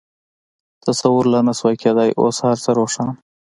تصور لا نه شوای کېدای، اوس هر څه روښانه.